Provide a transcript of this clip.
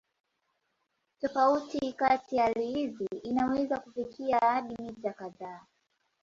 Tofauti kati ya hali hizi inaweza kufikia hadi mita kadhaa.